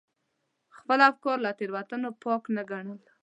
خپل افکار له تېروتنو پاک نه ګڼل.